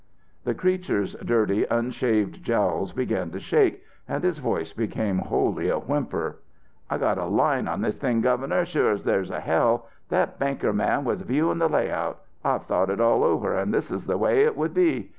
"The creature's dirty, unshaved jowls began to shake, and his voice became wholly a whimper. "'I've got a line on this thing, Governor, sure as there's a hell. That banker man was viewin' the layout. I've thought it all over, an' this is the way it would be.